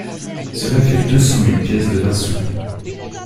Cela fait deux cent mille pièces de vingt sous.